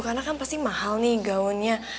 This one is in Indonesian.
karena kan pasti mahal nih gaunnya